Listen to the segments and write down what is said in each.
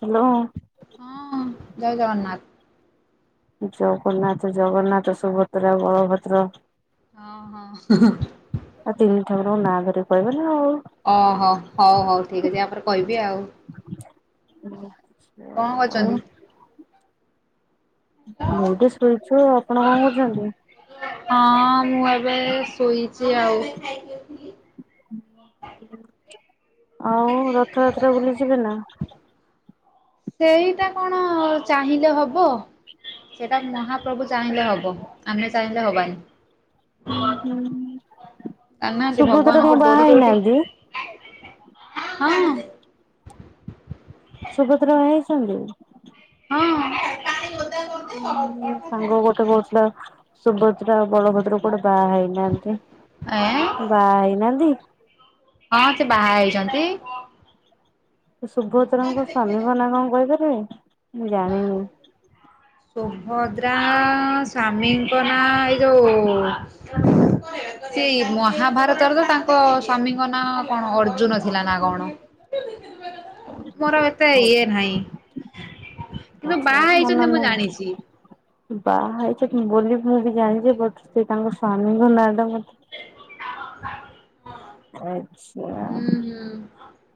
Hello ହଁ ଜୟ ଜଗନ୍ନାଥ ଜଗନ୍ନାଥ ଜଗନ୍ନାଥ ସୁଭଦ୍ରା ବଳଭଦ୍ର ହଁ ହଁ ଆଉ ତିନି ଠାକୁରଙ୍କ ନାଁ ଧରିକି କହିବେ ନା ଆଉ। ଓ ହୋ ହଉ ହଉ ଠିକ୍ ଅଛି ଆ ପରେ କହିବି ଆଉ। କଣ ଆଉ କରୁଛନ୍ତି? [unintelligible] ଶୋଇଚୁ ଆପଣ କଣ କରୁଚନ୍ତି। ହଁ ମୁଁ ଏବେ ଶୋଇଚି ଆଉ। ଆଉ ରଥଯାତ୍ରା ବୁଲି ଯିବେ ନା? ସେଇଟା କଣ ଚାହିଁଲେ ହବ। ସେଟା ମହାପ୍ରଭୁ ଚାହିଁଲେ ହବ ଆମେ ଚାହିଁଲେ ହବାନି। ଆନାହାନ୍ତି ସୁଭଦ୍ରା କଣ ଭଗବାନଙ୍କ ବାହା ଡୋରି ହେଇନାହାନ୍ତି [unintelligible] ହଁ ସୁଭଦ୍ରା ବାହାହେଇଚନ୍ତି? ହଁ ଉଁ ସାଙ୍ଗ ଗୋଟେ କହୁଥୁଲା ସୁଭଦ୍ରା ଆଉ ବଳଭଦ୍ର କୁଆଡେ ବାହା ହେଇନି ନ୍ତି ଏଁ ବା ହେଇନାନ୍ତି। ହଁ ସେ ବାହା ହେଇଚନ୍ତି। ସୁଭଦ୍ରାଙ୍କ ସ୍ୱାମୀଙ୍କ ନା କଣ କହିପାରିମି? ସୁଭଦ୍ରା ସ୍ୱାମୀଙ୍କ ନାଁ ଏ ଯୋଉ ସେଇ ମହାଭାରତର ତ ତାଙ୍କ ସ୍ଵାମୀଙ୍କ ନାଁ କଣ ଅର୍ଜୁନ ଥିଲା ନା କଣ। ମୋର ଏତେ ଇଏ ନାହିଁ। କିନ୍ତୁ ଆଚ୍ଛା ବାହା ମନ ହେଇଚନ୍ତି ମୁଁ ନାହିଁ ଜାଣିଚି। ବାହା ହେଇଛନ୍ତି ବୋଲି ମୁଁ ବି ଜାଣିଚି ବଟ୍ ସେ ତାଙ୍କ ସ୍ୱାମୀଙ୍କ ନାଁ ଟା ମୋ [inaudible] ଆଛା ହୁଁ ହୁଁ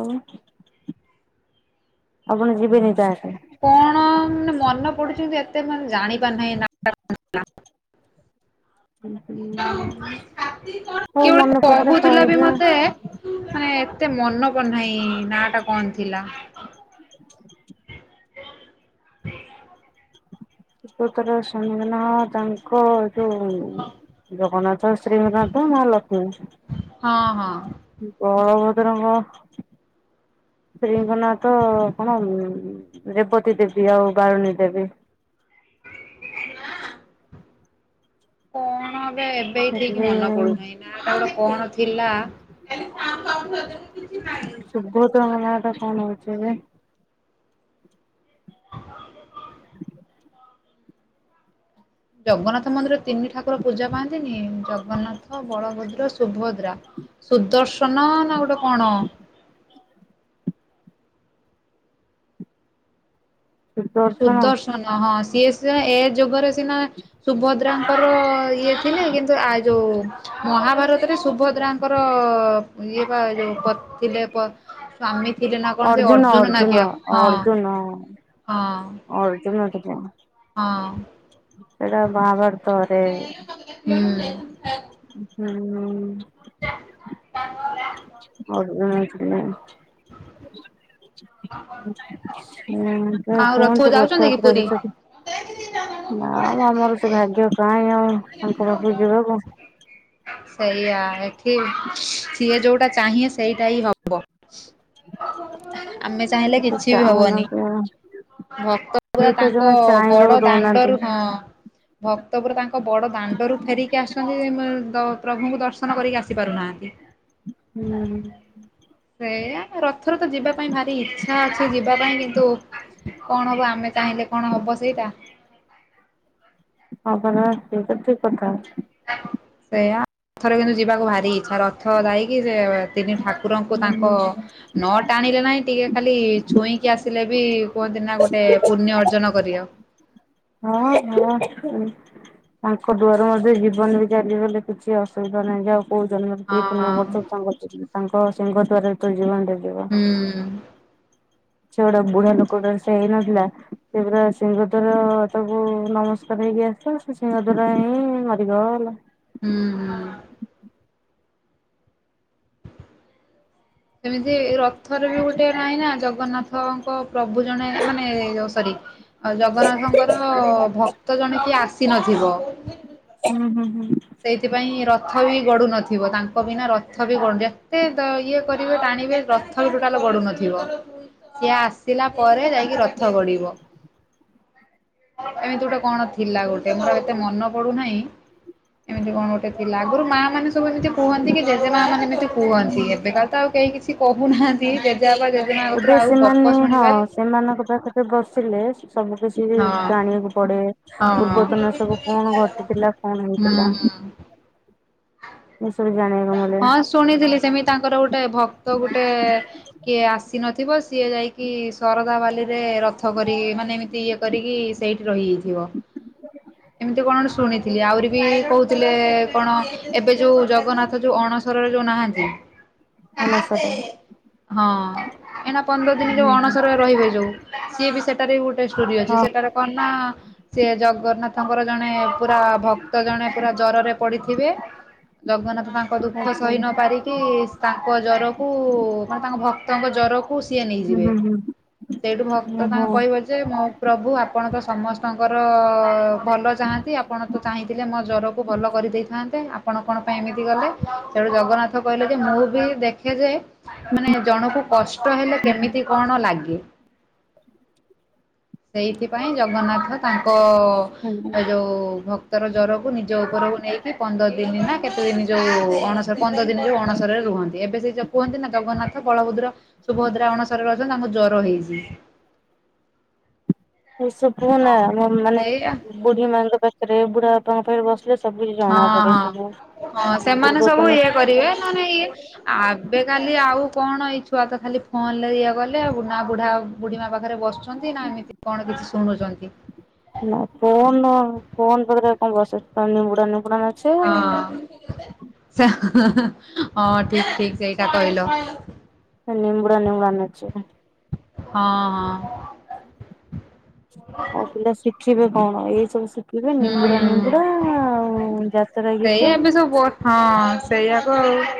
ଆଉ ଆପଣ ଯିବେନି ତାହା କଣ ମାନେ ମନେ ପଡୁଚି ଏତେ ମାନେ ଜାଣି ପାରୁନାହିଁ [unintelligible] ହୁଁ କିଏ ହୋଉ ଗୋଟେ ମନେପଡ଼ିଲେ କହୁଥିଲା ବି କହିବେ ମତେ [unintelligible] ଏତେ ମନ ପଡୁନାହିଁ। ନା ଟା କଣ ଥିଲା। [inaudible] ସୁଭଦ୍ରା ର ସ୍ବାମୀଙ୍କ ନା ତାଙ୍କ ଯୋଉ ଜଗନ୍ନାଥଙ୍କ ସ୍ତ୍ରୀ ଙ୍କ ନା ତ ମା ଲକ୍ଷ୍ମୀ। ହଁ ହଁ ବଳଭଦ୍ରଙ୍କ ସ୍ତ୍ରୀଙ୍କ ନା ତ କଣ ରେବତୀ ଦେବୀ ଆଉ ବାରୁଣୀ ଦେବୀ ମା କଣ! ! ! ଏବେ ହିଁ ଠିକ୍ ହେଲେ ମନେ ପଡୁନି, ନା ଟା ଗୋଟେ କଣ ଥିଲା? ସୁଭଦ୍ରାଙ୍କ ନା ଟା କଣ ଅଛି ଏବେ? [inaudible] [inaudible] ଜଗନ୍ନାଥ ମନ୍ଦିରରେ ତିନି ଠାକୁର ପୂଜା ପାଆନ୍ତିନି ଜଗନ୍ନାଥ ବଳଭଦ୍ର ସୁଭଦ୍ରା ସୁଦର୍ଶନ ନା ଗୋଟେ କଣ? ହଁ ସୁଦର୍ଶନ ହଁ ସିଏ ସ ଏ ଯୁଗରେ ସିନା ସୁଭ ଦ୍ରାଙ୍କର ଇଏ ଥିଲେ କିନ୍ତୁ ଆ ଯୋଉ ମହାଭାରତରେ ସୁଭଦ୍ରାଙ୍କର ଇଏ ପା ଯୋଉ ପ ଥିଲେ ପ ସ୍ଵାମୀ ଥିଲେ ନା କଣ ସେ ଅର୍ଜୁନ ନା କିଏ ହଁ ହଁ ଅର୍ଜୁନ ଥିଲେ ହଁ ସେଇଟା ମହାଭାରତ ରେ ହୁଁ ହୁଁ ହୁଁ [inaudible] ଅର୍ଜୁନ ଥିଲେ। ହୁଁ ଆଉ ରଥକୁ କୁହନ୍ତୁ ଯାଉଛନ୍ତି କି ରଥଯାତ୍ରା ପୁରୀ? ବିଷୟରେ। ନା ମ ଆମର ସେ ଭାଗ୍ୟ କାଇଁ ଆଉ ତାଙ୍କପାଖକୁ ଯିବାକୁ। ସେଇଆ ଏଠି ସିଏ ଯୋଉଟା ଚାହିଁବେ ସେଇଟା ହିଁ ହବ। ଆମେ ସେ ଚାହିଁଲେ ତ କିଛି ବି ହବନି। ଚାହୁଁନାହାନ୍ତି ଭକ ପୁରା ସିଏ ତ ତାଙ୍କ ଜମା ଚାହିଁବାକୁ ବଡ ଦଉନାହାନ୍ତି ଦାଣ୍ଡରୁ ହଁ ଭକ୍ତ ପୁରା ତାଙ୍କ ବଡଦାଣ୍ଡରୁ ଫେରିକି ଆସନ୍ତି ମେ ଦ ପ୍ରଭୁଙ୍କୁ ଦର୍ଶନ କରିକି ଆସିପାରୁନାହାନ୍ତି। ହୁଁ ସେଇଆ ରଥରେ ତ ଯିବା ପାଇଁ ଭାରି ଇଚ୍ଛା ଅଛି ଯିବା ପାଇଁ କିନ୍ତୁ କଣ ହବ ଆମେ ଚାହିଁଲେ କଣ ହବ ସେଇଟା? ହଁ ପରା ସେଇଟା ଠିକ୍ କଥା। ସେଇଆ ଥରେ କିନ୍ତୁ ଯିବାକୁ ଭାରି ଇଚ୍ଛା ରଥ ଯାଇକି ସେ ତିନି ଠାକୁ ରଙ୍କୁ ତାଙ୍କ ନ ଟାଣିଲେ ନାହିଁ ଟିକେ ଖାଲି ଛୁଇଁକି ଆସିଲେ ବି କୁହନ୍ତି ନା ଗୋଟେ ପୁଣ୍ୟ ଅର୍ଜନ କରିବ। ହଁ ହଁ। ତାଙ୍କ ଦୁଆାର ମଧ୍ୟ ଜୀବନ ବି ଚାଲିଗଲେ କିଛି ଅସୁବିଧା ନାହିଁ ଯାଉ। କୋଉ ଜନ୍ମରେ ଏତେ ହଁ ପୁଣ୍ୟ କରିଥିଲ ହୁଁ କରୁ ତା ତାଙ୍କ ସିଂହ ଦ୍ୱାରରେ ତ ଜୀବନରେ। ହୁଁ। ସେ ଗୋଟେ ବୁଢା ଲୋକ ଟେ ସେ ହେଇନଥିଲା ସେ ପରା ସିଂହଦର ତାକୁ ନମସ୍କାର ହେଇକି ଆସିଥିଲା। ସିଂହଦ୍ୱାରା ହିଁ ମରିଗଲା। ହୁଁ ହୁଁ। ସେମିତି ରଥରେ ବି ଗୋଟେ ନାହିଁ ନା ଜଗନ୍ନାଥ। ଙ୍କ ପ୍ରଭୁ ଜଣେ ମାନେ ସରି ଆଉ ଜଗନ୍ନାଥଙ୍କର ଭକ୍ତ ଜଣେ କିଏ ଆସିନଥିବ। ହୁଁ ହୁଁ ହୁଁ। ସେଇଥିପାଇଁ ରଥ ବି ଗଡ଼ୁନଥିବ ତାଙ୍କ ବିନା ରଥ ବି ଗଡ଼ୁ ଯେତେ ଇଏ କରିବେ ଟାଣିବେ ରଥ ବି ଟୋଟଲୀ ଗଡୁନଥିବ। ସିଏ ଆସିଲା ପରେ ଯାଇକି ରଥ ଗଢିବ। ଏମିତି ଗୋଟେ କଣ ଥିଲା ଗୋଟେ ମୋର ଏତେ ମନ ପଡୁନାହିଁ। ଏମିତି କଣ ଗୋଟେ ଥିଲା ଆଗରୁ ମା ମାନେ। ସବୁ ଏମିତି କୁହନ୍ତି କି ଜେଜେ ମା ମା ଏମିତି କୁହନ୍ତି ଏବେକାରତ ଆଉ କେହି କିଛି କହୁନାହାନ୍ତି ଜେଜେବାପା ଆଉ ଜେଜେମା ଏବେ କତୁରୁ ଆଉ ସେମାନେ ଗପ ହଁ ଶୁଣିବା ସେମାନଙ୍କ ପାଖରେ ବସିଲେ ସବୁ କିଛି ହଁ ଜାଣିବାକୁ ପଡ଼େ। ହଁ ପୂର୍ବତନ ସବୁ କଣ ଘଟିଥିଲା କଣ ହୁଁ ହେଇଥିଲା। ହୁଁ। ଏ ସବୁ ଜାଣିବାକୁ ମିଳେ। ହଁ ଶୁଣିଥିଲି ସେମିତି ତାଙ୍କର ଗୋଟେ ଭକ୍ତ ଗୋଟେ କିଏ ଆସିନଥିବ ସିଏ ଯାଇକି ଶରଦା ବାଲିରେ ରଥ କରିକି ମାନେ ଏମିତି ଇଏ କରିକି ସେଇଠି ରହିଯାଇଥିବ। ହୁଁ। ଏମିତି କଣ ଗୋଟେ ଶୁଣିଥିଲି ଆହୁରି ବି କହୁଥିଲେ କଣ ଏବେ ଯୋଉ ଜଗନ୍ନାଥ ଯୋଉ ଅଣସରଘରେ ଯୋଉ ନାହାନ୍ତି ଅନସରେ [unintelligible] ହଁ। ପନ୍ଦର ଦିନ ଯୋଉ ଅଣସରରେ ରହିବେ ଯୋଉ ସିଏ ବି ସେଟାରେ ବି ଗୋଟେ ଷ୍ଟୋରୀ ଅଛି ହଁ ସେଟାର କଣ ନା ସେ ଜଗନ୍ନାଥଙ୍କର ଜଣେ ପୁରା ଭକ୍ତ ଜଣେ ପୁରା ଜରରେ ପଡିଥିବେ ଜଗନ୍ନାଥ ତାଙ୍କ ଦୁଃଖ ଆଚ୍ଛା। ସହି ନ ପାରିକି ତାଙ୍କ ଜ୍ୱରକୁ ମାନେ ତାଙ୍କ ଭକ୍ତଙ୍କ ଜର କୁ ସିଏ ହୁଁ ନେଇଯିବେ ହୁଁ ହୁଁ। ସେଇଠୁ ଭକ୍ତ ଓହୋ ତାଙ୍କ କହିବ। ଯେ ମୋ ପ୍ରଭୁ ଆପଣ ତ ସମସ୍ତଙ୍କର ଭଲ ଚାହାନ୍ତି ଆପଣ ତ ଚାହିଁଥିଲେ ମୋ ଜ୍ୱରକୁ ଭଲ କରିଦେଇଥାନ୍ତେ ଆପଣ କଣ ପାଇଁ ଏମିତି ଗଲେ। ସେଠୁ ଜଗନ୍ନାଥ କହିଲେ ଯେ ମୁଁ ବି ଦେଖେ ଯେ ମାନେ ଜଣକୁ କଷ୍ଟ ହେଲେ କେମିତି କଣ ଲାଗେ। ସେଇଥିପାଇଁ ଜଗନ୍ନାଥ ତାଙ୍କ ଯୋଉ ଭକ୍ ଭକ୍ତ ର ଜ୍ଵରକୁ ନିଜ ଉପରକୁ ନେଇକି ପନ୍ଦର ଦିନ ନା କେତେ ଦିନ ଯୋଉ ଉ ଅଣସର ପନ୍ଦର ଦିନରୁ ଅଣସରରେ ରୁହନ୍ତି ଏବେ ସେଇ ଯଉ କୁହନ୍ତି ନା ଜଗନ୍ନାଥ ବଳଭଦ୍ର ସୁଭଦ୍ରା ଅଣସରରେ ଅଛନ୍ତି ତାଙ୍କୁ ଜ୍ୱର ହେଇଛି। ଏସବୁ ନା ଆମ ମାନେ ସେଇଆ ବୁଢୀ ମାଙ୍କ ପାଖରେ ବୁଢା ବାପାଙ୍କ ପାଖରେ ବସିଲେ ସବୁ ଜି ହଁ ହଁ ହଁ ସେମାନେ ସବୁ ଇଏ କରିବେ ନ ନ ଇଏ ଆବେ କାଲି ଆଉ କଣ ଏଇ ଛୁଆ ତ ଖାଲି ଫୋନ ରେ ଇଏ ଗଲେ [unintelligible] ବୁଢା ଆ ବୁଢୀ ମା ପାଖରେ ବସୁଛନ୍ତି ନା ଏମିତି କଣ କିଛି ଶୁଣୁଛନ୍ତି। ନା ଫୋନ ଫୋନ୍ ପାରେ କଣ ବସି [unintelligible] ଆଉ। ହଁ ସେ ହଁ ଠିକ ଠିକ୍ ସେଇଟା କହିିଲ। ନିମ୍ବୁଡା ନିମୁଡ଼ା ନାଚିବେ। ହଁ ହଁ। ଆଉ ପିଲା ଶିଖିବେ କଣ ଏଇ ସବୁ ଶିଖିବେ ହଁ ନିମ୍ବୁଡା ହୁଁ ନିମ୍ବୁଡା ଆଉ ଜା ସେରା ସେଇଆ ଗୀତ ଏବେ ସବୁ ହଁ ସେଇଆକୁ ଆଉ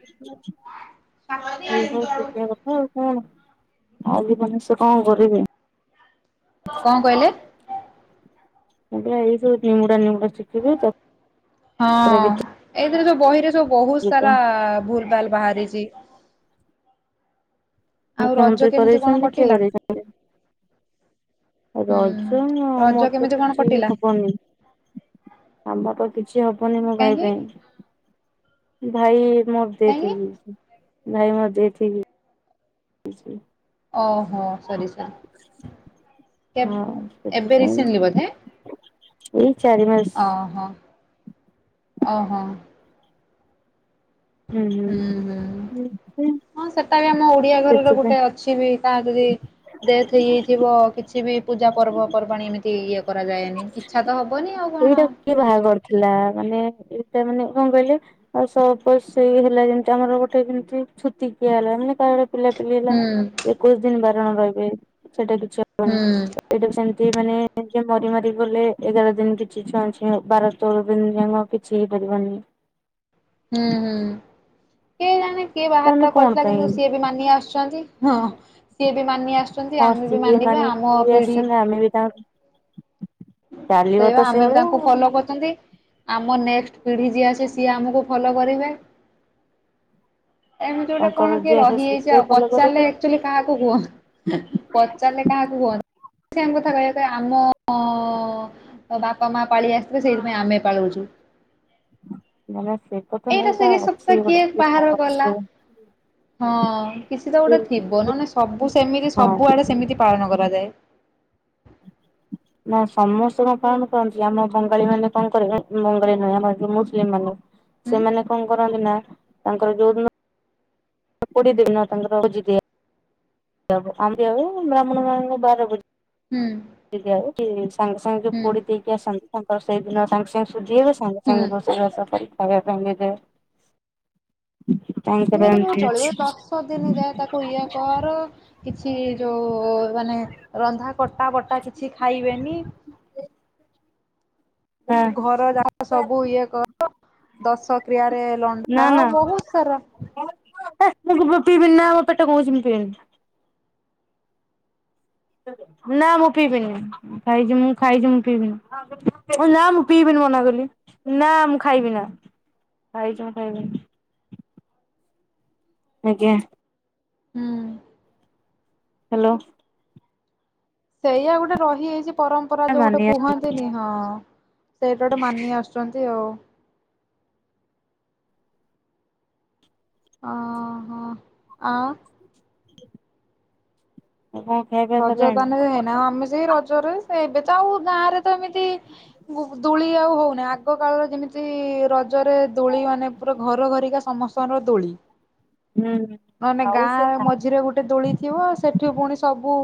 [unintelligible] ହୁଁ ହୁଁ ଆଲି ମାନ ସେ କଣ କରିବେ? କଣ କହିଲେ? ମୁଁ [unintelligible] ଏଇ ସବୁ ନିମୁଡା ନିମୁଡା ଶିଖିବେତ ହଁ ଏଇଥିରେ ସବୁ ବହିରେ ସବୁ ବହୁତ ଗୀତ ସାରା ଭୁଲ ଭାଲ ବାହାରିଛି। ଆଉ ରଜ ମୁଖ୍ୟମନ୍ତ୍ରୀ କେମିତି କଣ କରଛନ୍ତି କିଏ କଟିଲା କରେଇଛନ୍ତି। ହୁଁ ରଜମର ରଜ ତ କେମିତି କଣ କିଛି କଟିଲା? ହବନି। ଆମର କିଛି ହବନି ମୋ ଭାଇ କାହିଁକି ପାଇଁ ଭାଇ ମୁଁ କାହିଁକି ଦେଇଦେବି ନାଇଁ ମୁଁ ଦେଇଥିବି। ଓହୋ ସରି ସରି କେ ହଁ ଏବେ ସେଥିପାଇଁ ରିସେଣ୍ଟଲି ବଧେ ଏଇ ଚାରି ମାସ ଅହଂ ଓହୋ। ହୁଁ ହୁଁ ସେଥିପାଇଁ ହଁ ସେଟା ବି ଆମ ଓଡିଆ ଘରର ଗୋଟେ ଅଛି ବି [unintelligible] ଡେଥ୍ ହେଇଯାଇଥିବ କିଛି ବି ପୂଜା ପର୍ବପର୍ବାଣି ଏମିତି ଇଏ କରାଯାଏନି। କି ଇଚ୍ଛା ତ ହବନି ଆଉ କଣ। ଏଇଟା କିଏ ବାହାର ଥିଲା ମାନେ ଏଇଟା ମାନେ କଣ କହିଲେ ଆଉ ସବୁ ପଇସ୍ ହେଇ-ହେଲା ଯେମତି ଆମର ଗୋଟେ ଯେମିତି ଛୁତି କିିଆ ହେଲା ମାନେ କାହାର ପିଲାପିଲି ହେଲା। ହୁଁ କଉ ଦିନ ବାରଣ ରହିବେ ସେଟା କିଛି ହବନି। ହୁଁ ଏଇଟା ସେମତି ମାନେ କିଏ ମରି ମାରି ଗଲେ ଏଗାର ଦିନ କିଛି ଛୁଆଁ ଛୁଇଁ ହ ବାର ତେରଦିନ ଜମା କିଛି ହେଇ ପରିବନି। ହୁଁ ହୁଁ କିଏ ଜାଣେ କିଏ ସେମାନେ ବାହାର କଣ କରିଥିଲା ପାଇଁ କିନ୍ତୁ ସିଏ ବି ମାନି ଆସ୍ ଛନ୍ତି ହଁ ସିଏ ବି ମାନି ଆସୁଛନ୍ତି ହଁ ଆମେ ବି ସିଏ ମାନେ ମାନିବା ଆମ କିଏ ପିଢି ଆସିଛନ୍ତି ଆମେ ବି ପାର୍ଟ୍। ସେଇ ବା ଆମେ ବି ସେଇଭଳିଆ ତାଙ୍କୁ ଆଉ। ଫଲୋ କରୁଛନ୍ତି। ଆମ ନେକ୍ଟ୍ ପିଢ଼ି ଯିଏ ଆସିବେ ସିଏ ଆମକୁ ଫଲୋ କରିବେ। ଏମିତି ଗୋଟେ ତାଙ୍କର କଣ କିଏ ଯିଏ ଆଗେ ରହିଯାଇଛି ସୁବିଧାକୁ ଆଉ ଫଲୋ ପଚାରିଲେ କରିବେ ଏକ୍ଟୁଅଲୀ କାହାକୁ କୁହ ପଚାରିଲେ କାହାକୁ କୁହ ସେମ୍ କଥା କହିବା ପାଇଁ ଆମ ଅ ଅ ମୁଁ ବାପା ମା ପାଳି ଆସିିଥିଲେ ସେଇଥିପାଇଁ ଆମେ ପାଳୁଅଛୁ। ନା ସେ ତ ତ ଏଇଟା ସେ ନେଇଟା ସପ୍ତାହ ଅଛି କିଏ ଗୋଟେ ବାହାର କଲା। [unintelligible] ହଁ କିଛି ତ ଗୋଟେ ଥିବ ନହେ଼ନେ ସବୁ ସେମିତି ହଁ ସବୁଆଡେ ସେମିତି ପାଳନ କରାଯାଏ। ନା ସମସ୍ତ କଣ ପାଳନ କରନ୍ତି ଆମ ବଙ୍ଗାଳୀ ମାନେ କଣ କରିବେ ବଙ୍ଗାଳୀ ନୁହେଁ ଆମ ମୁସଲିମ ମାନେ। ହୁଁ ସେମାନେ କଣ କରନ୍ତି ନା ତାଙ୍କର ଯୋଉଦିନ କୋଡିଏ ଦିନରେ ତାଙ୍କର ଭୋଜି ଦିଆ [unintelligible] ହୁଁ। ଭୋଜି ଦିଆ ହବ କି ସାଙ୍ଗ୍ ସାଙ୍ଗ୍ ଜଉ ହୁଁ ପୋଡ଼ି ଦେଇକି ଆସନ୍ତି ତାଙ୍କର ସେଇଦିନ ସାଙ୍ଗେ ସାଙ୍ଗେ ଶୁଦ୍ଧି ହେବେ ସାଙ୍ଗେ ହୁଁ। ସାଙ୍ଗେ ରୋସେଇବାସ କରି ସଙ୍ଗେ ସଙ୍ଗେ ଦେ ଏମିତି କଣ ଚଳିବ ଦଶ ଦିନ ଯାଏ ତାକୁ ଇଏ କର। କିଛି ଯୋଉ ମାନେ ରନ୍ଧା କଟା ବଟା କିଛି ଖାଇବେନି। ନା ଘର ଯାହା ସବୁ ଇଏ କର। ଦଶ କ୍ରିୟାରେ ଲଣ୍ଡା ହ ବହୁତ ସାରା। ହେ ମୁଁ ଗୋଲକୁଜ ପିଇବିନି ନା ମୋ ପେଟ କହୁଛିି ମୁଁ ପିଏନି। ନାଁ ମୁଁ ପିଇ ପାରିବିନି। ଖାଇଛି ମୁଁ ଖାଇଛି ମୁଁ ପିଇବିନି ନା ମୁଁ ପିଇବିନି ମନା କଲି। ନା ମୁଁ ଖାଇବି ନା ଖାଇଛି ମୁଁ ଖାଇବିନି। ଆଜ୍ଞା। ହୁଁ। ହ୍ୟାଲୋ। ସେଇଆ ଗୋଟେ ରହିଯାଇଛି ପରମ୍ପରା ଯୋଉ ଗୋଟେ ମାନିଆ କୁହନ୍ତିନି ହଁ ସେଇଟା ଗୋଟେ ମାନି ଆସୁଛୁ। କରନ୍ତି ଆଉ। ହଁ ହଁ ଆ। କଣ ଖାଇବା ରଜ ସରିଲାଣି ତାହେନେ ଯାଇ ନା ଆମେ ସେଇ ରଜରେ ସେ ଏବେ ତ ଆଉ ଗାଁ ରେ ତ ଏମିତି ଗୋ ଦୋଳି ଆଉ ହଉନି ଆଗ କାଳର ଯେମିତି ର ଜରେ ଦୋଳି ମାନେ ପୁରା ଘର ଘରିକା ସମସ୍ତଙ୍କର ଦୋଳି। ହୁଁ ନନେ ଆଉ ସେ ଗାଁ ନାହିଁ ମଝିରେ ଗୋଟେ ଦୋଳି ଥିବ ସେଠି ପୁଣି ସବୁ।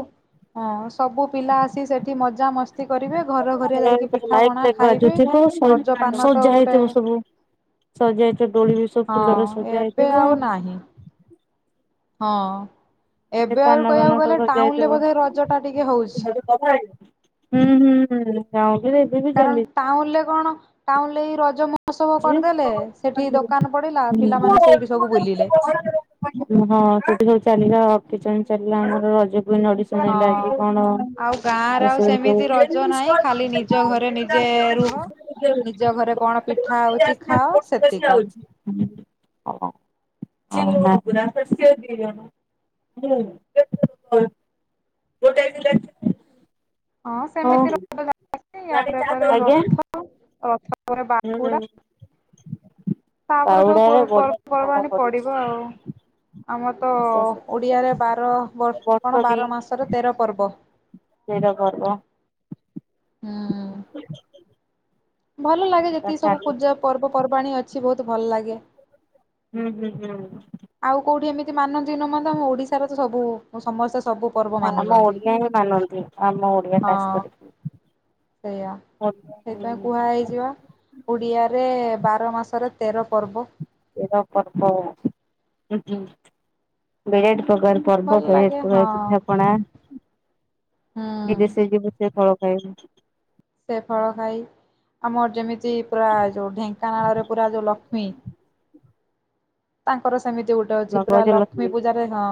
ହଁ ସବୁ ପିଲା ଆସି ସେଠି ମଜାମସ୍ତି କରିବେ ଘର ଘରିଆ ଯାଇକି ଲାଇଟ୍ ପିଠାପଣା ଫାଇଟ୍ ଖାଇବେ ବାଜୁଥିବ ର ଜ ପାନ ତ ଆଉ ସଜା ଗୋଟେ ହେଇଥିବ ସବୁ ସଜା ହେଇଥିବ ଦୋଳି ବି ସବୁ ହଁ ଫୁଲରେ ସଜା ଏବେ ହେଇଥିବ ଆଉ ନାହିଁ। ହଁ ମାନେ ଏବେ ଆଉ ପାନ କହିବାକୁ ଫାନ ସବୁ ଗଲେ ଟାଉନ୍ ରେ ବୋଧେ ରଜଟା ଟିକେ ହଉଚି। କବାଡି ହୁଁ ହୁଁ ହୁଁ ଗାଁଓଲି ରେ କାରଣ ଟାଉନ୍ ରେ କଣ ଟାଉନ୍ ରେ ଏଇ ରଜମ ସବୁ କରିଦେଲେ ସେଠି ଚାଲିଛି। ଦୋକାନ ପଡିଲା ହୁଁ ପିଲାମାନେ ସେଇଠି ସବୁ ବୁଲିଲେ। ହଁ ସେଠି ସବୁଚାଲିଲା ଅକେଜନ ଚାଲିଲା ଆମର ରଜକୁଇନ୍ ଅଡିସନ। ହଁ ହେଲା କି କଣ ଆଉ ଗାଁରେ ଆଉ ଏସବୁ ସବୁ ସେମିତି ରଜ ନାହିଁ ଖାଲି ନିଜ ଘରେ ନିଜେ ରୁହ। ନିଜ ଘରେ କଣ ପିଠା ହଉଛି ଖାଅ [unintelligible] ସେତିକ ଆଉଛି ହୁଁ। [unintelligible] [unintelligible] ହଁ ସେମିତି [unintelligible] ଆ ପରେ ହଁ ପରେ ଆଜ୍ଞା ରଥ, ରଥ ପରେ ବାହୁଡା। ତାପରେ ସବୁ ପାଉଡାରେ ବଢିଆ ଥଣ୍ଡା ପର୍ବପର୍ବାଣୀ ପଡିଛି ପଡିବ ଆଉ। ଆମର ତ ଆସ ବର୍ଷ ଓଡ଼ିଆରେ ବାର ବର୍ଷ, କଣ ବାର ମାସରେ ତେର ପର୍ବ। ତେର ପର୍ବ। ହୁଁ। ଭଲ ଲାଗେ ଯେତିକି ସବୁ ଚାଲିଛି ପୂଜା ପର୍ବପର୍ବାଣି ଅଛି, ବହୁତ୍ ଭଲ ଲାଗେ। ହୁଁ- ହୁଁ- ହୁଁ। ଆଉ କୋଉଠି ଏମିତି ମାନନ୍ତି ନ ମାନନ୍ତୁ, ଆମ ଓଡିଶାର ତ ସବୁ ସମସ୍ତେ ସବୁ ପର୍ବ ହଁ ଆମ ମାନୁଛନ୍ତି। ଓଡିଆ ହିଁ ମାନନ୍ତି, ଆମ ଓଡ଼ିଆ ଖାସ୍ ହଁ କରିକି। ସେଇଆ, ସେଇଥିପାଇଁ କୁହା ହେଇଚି ବା ଓଡ଼ିଆରେ ବାର ମାସରେ ତେର ପର୍ବ। ତେର ପ୍ରକାର ଅଛି, ବହୁତ୍ ପ୍ରକାର ପର୍ବ ଭଲ ଲାଗେ ହଁ। [unintelligible] ପିଠା ପଣା, ହୁଁ ଯେ ଦେଶେ ଯିବ ସେ ଫଳ ଖାଇବ। ସେ ଫଳ ଖାଇ ଆମର ଯେମିତି, ପୁରା ଯୋଉ ଢେଙ୍କାନାଳରେ ପୁରା ଯୋଉ ଲକ୍ଷ୍ମୀ ତାଙ୍କର ସେମିତି ଗୋଟେ ଅଛି, ପୁରା ଲକ୍ଷ୍ମୀ ଗଜଲକ୍ଷ୍ମୀ ପୂଜାରେ ହଁ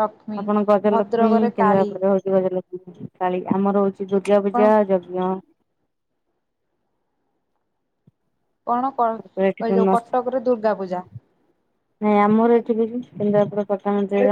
ଲକ୍ଷ୍ମୀ ଆପଣ ଗଜଲକ୍ଷ୍ମୀ, ଭଦ୍ରକରେ କାଳୀ କେନ୍ଦ୍ରାପଡ଼ାରେ ହଉଛି ଗଜଲକ୍ଷ୍ମୀ। କାଳୀ ଆମର ହଉଛି କଣ ଦୁର୍ଗାପୂଜା, ଯଜ୍ଞ କଣ କର, ଏଠି ଏ ଯୋଉ ଫେମସ କଟକରେ ଦୁର୍ଗା ପୂଜା। ନାଇଁ ଆମର ଏଠି ବି, କେନ୍ଦ୍ରାପଡା ପଟାମୁଣ୍ଡେଇ